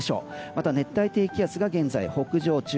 また、熱帯低気圧が現在、北上中。